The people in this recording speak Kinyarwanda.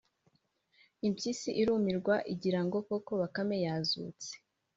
Impyisi irumirwa igirango koko Bakame yazutse